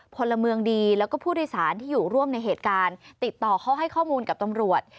พลเมืองดีแล้วก็ผู้โดยสารที่อยู่ร่วมในเหตุการณ์ติดต่อเขาให้ข้อมูลกับตำรวจ